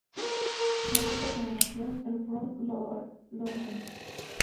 La cuarta generación, el "Front-Loading".